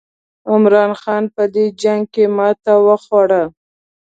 عمرا خان په دې جنګ کې ماته وخوړه.